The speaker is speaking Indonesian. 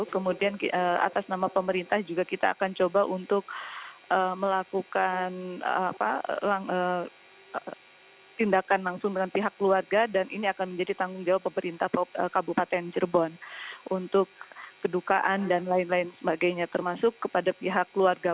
kemudian atas nama pemerintah juga kita akan coba untuk melakukan tindakan langsung dengan pihak keluarga dan ini akan menjadi tanggung jawab pemerintah kabupaten cirebon untuk kedukaan dan lain lain sebagainya termasuk kepada pihak keluarga